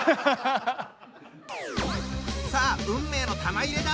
さあ運命の玉入れだ！